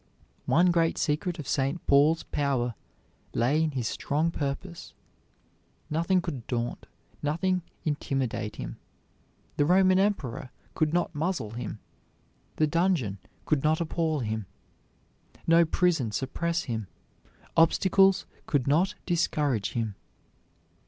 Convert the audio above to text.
One great secret of St. Paul's power lay in his strong purpose. Nothing could daunt, nothing intimidate him. The Roman Emperor could not muzzle him, the dungeon could not appall him, no prison suppress him, obstacles could not discourage him.